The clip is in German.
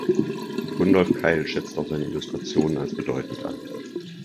Gundolf Keil schätzt auch seine Illustrationen als bedeutend ein.